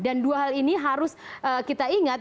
dan dua hal ini harus kita ingat